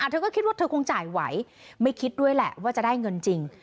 เธอก็คิดว่าเธอคงจ่ายไหวไม่คิดด้วยแหละว่าจะได้เงินจริง